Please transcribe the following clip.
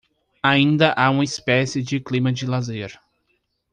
Ainda há uma espécie de clima de lazer